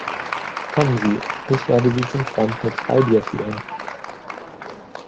Kommen Sie, ich werde Sie zum Stand mit Freibier führen!